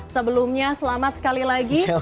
sebelumnya selamat sekali lagi